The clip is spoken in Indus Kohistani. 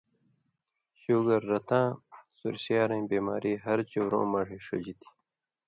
شُوگر(رتاں سُرسیارَیں) بیماری ہر چؤرؤں ماݜے ݜژی تھی